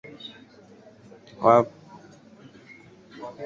wapo ambao mpaka sasa hivi hawajulikani walipo